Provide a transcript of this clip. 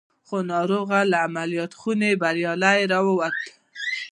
خو ناروغ له عمليات خونې بريالي را ووت.